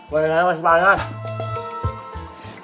gorengannya masih panas